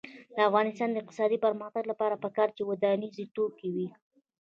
د افغانستان د اقتصادي پرمختګ لپاره پکار ده چې ودانیز توکي وي.